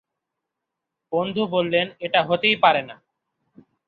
বন্ধু বললেন এটা হতেই পারেনা।